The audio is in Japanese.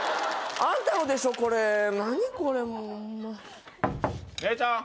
アンタのでしょこれ何これもうホンマ姉ちゃん